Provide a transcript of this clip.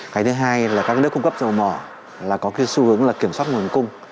cái thứ hai là các nước cung cấp dầu bỏ có xu hướng kiểm soát nguồn cung